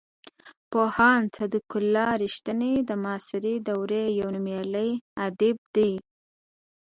پوهاند صدیق الله رښتین د معاصرې دورې یو نومیالی ادیب دی.